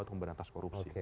untuk mengatasi korupsi